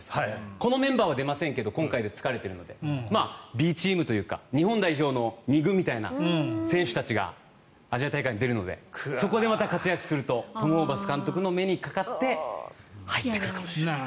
このメンバーは出ませんけど今回で疲れてるのでＢチームというか日本代表の２軍みたいな選手たちがアジア大会に出るのでそこでまた活躍するとトム・ホーバス監督の目にかかって入ってくるかもしれない。